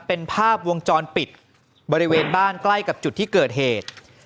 เป็นภาพวงจรปิดบริเวณบ้านใกล้กับจุดที่เกิดเหตุ